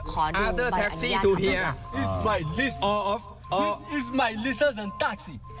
ขอดูใบอนุญาตเขาเนี่ย